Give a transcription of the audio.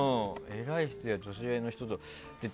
偉い人や年上の人とも。